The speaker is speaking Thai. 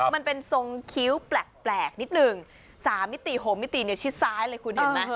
มันเป็นทรงคิ้วแปลกนิดนึง๓มิติโหมมิติเนี่ยชิดซ้ายเลยคุณเห็นไหม